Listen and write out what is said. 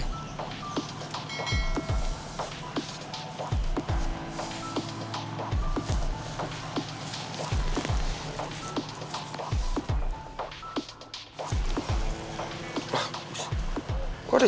kok ada jejak rode ya